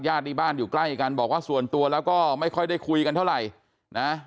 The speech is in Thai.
ที่บ้านอยู่ใกล้กันบอกว่าส่วนตัวแล้วก็ไม่ค่อยได้คุยกันเท่าไหร่นะ